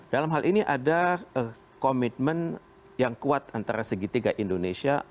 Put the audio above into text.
dalam hal ini ada komitmen yang kuat antara segitiga indonesia